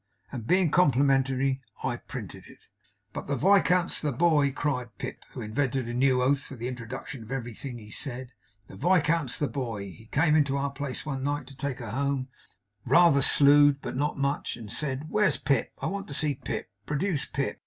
And being complimentary, I printed it.' 'But the Viscount's the boy!' cried Pip, who invented a new oath for the introduction of everything he said. 'The Viscount's the boy! He came into our place one night to take Her home; rather slued, but not much; and said, "Where's Pip? I want to see Pip. Produce Pip!"